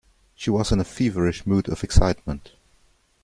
She was in a feverish mood of excitement.